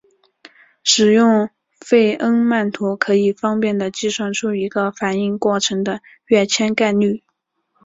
使用费恩曼图可以方便地计算出一个反应过程的跃迁概率。